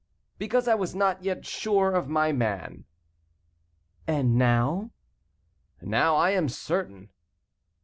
"Because I was not yet sure of my man." "And now?" "Now I am certain."